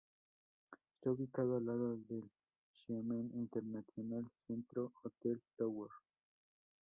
Está ubicado al lado del Xiamen International Centre Hotel Tower.